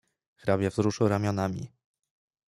"Hrabia wzruszył ramionami."